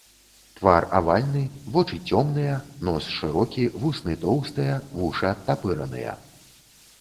Твар авальны, вочы цёмныя, нос шырокі, вусны тоўстыя, вушы адтапыраныя.